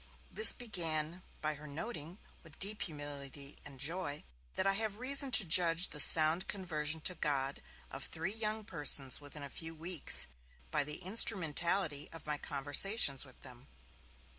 This began by her noting, with deep humility and joy, that 'I have reason to judge the sound conversion to God of three young persons within a few weeks, by the instrumentality of my conversations with them'.